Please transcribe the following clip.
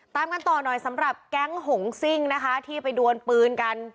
ตามกันต่อหน่อยสำหรับแก๊งหงซิ่งนะคะที่ไปดวนปืนกัน